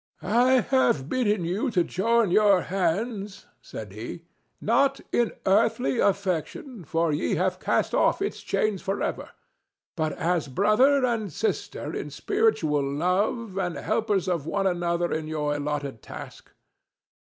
"I have bidden you to join your hands," said he, "not in earthly affection, for ye have cast off its chains for ever, but as brother and sister in spiritual love and helpers of one another in your allotted task.